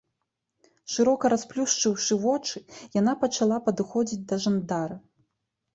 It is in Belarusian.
Шырока расплюшчыўшы вочы, яна пачала падыходзіць да жандара.